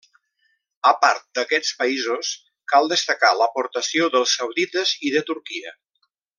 A part d'aquests països cal destacar l'aportació dels Saudites i de Turquia.